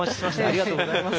ありがとうございます。